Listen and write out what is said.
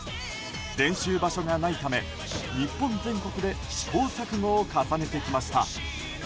練習場所がないため日本全国で試行錯誤を重ねてきました。